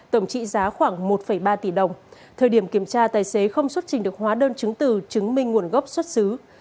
thời điểm kiểm tra tài xế không xuất trình được hóa đơn chứng từ chứng minh nguồn gốc xuất xứ